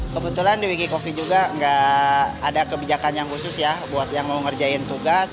kebetulan di wiki coffee juga nggak ada kebijakan yang khusus ya buat yang mau ngerjain tugas